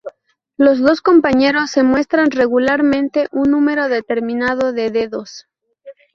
Los dos compañeros se muestran regularmente un número determinado de dedos.